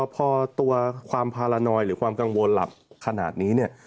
พอตัวความพารานอยหรือความกังวลหลับขนาดนี้เนี่ย